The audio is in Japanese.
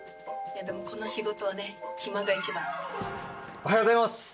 おはようございます！